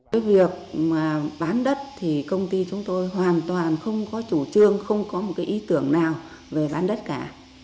với việc bán đất thì công ty chúng tôi hoàn toàn không có chủ trương không có ý tưởng nào về bán đất cả